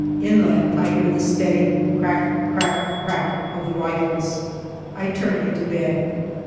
Inland I hear the steady crack, crack, crack of the rifles. I turn into bed.